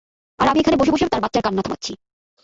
আর আমি এখানে বসে বসে তার বাচ্চার কান্না থামাচ্ছি!